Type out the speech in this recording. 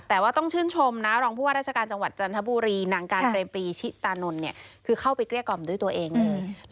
แต่ว่าต้องชื่นชมนะรองผู้ว่าราชการจังหวัดจันทบุรีนางการเปรมปีชิตานนท์เนี่ยคือเข้าไปเกลี้ยกล่อมด้วยตัวเองเลย